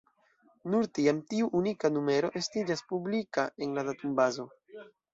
Nur tiam, tiu unika numero estiĝas publika en la datumbazo.